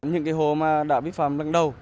những cái hồ mà đã bị phạm lần đầu